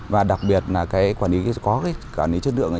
và đặc biệt là cái quản lý có cái chất lượng